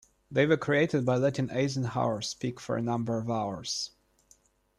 They were created by letting Eisenhower speak for a number of hours.